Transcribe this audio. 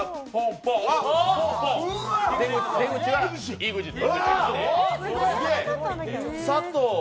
出口はＥＸＩＴ。